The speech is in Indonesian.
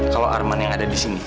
kalau arman yang ada di sini